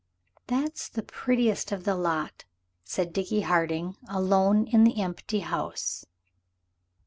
"That's the prettiest of the lot," said Dickie Harding, alone in the empty house.